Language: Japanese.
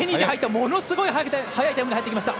ものすごい速いタイムで入ってきました。